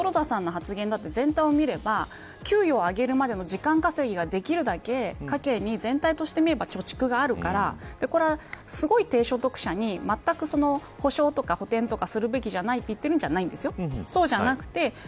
黒田さんの発言だって全体を見れば給与を上げるまでの時間稼ぎができるだけ家計に全体としてみれば貯蓄があるからこれは、すごい低所得者にまったく補償とか補てんとかするべきじゃないと言っているんですよ。